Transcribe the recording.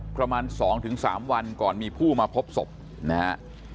ประมาณสองถึงสามวันก่อนมีผู้มาพบศพนะฮะ